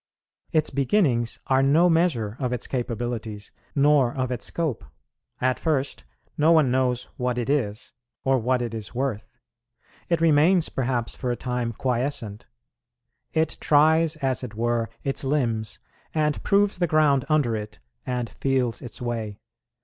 Its beginnings are no measure of its capabilities, nor of its scope. At first no one knows what it is, or what it is worth. It remains perhaps for a time quiescent; it tries, as it were, its limbs, and proves the ground under it, and feels its way.